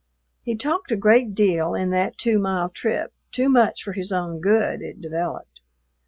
He talked a great deal in that two mile trip; too much for his own good, it developed.